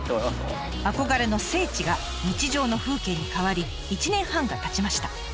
憧れの聖地が日常の風景に変わり１年半がたちました。